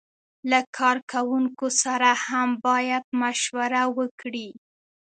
له کارکوونکو سره هم باید مشوره وکړي.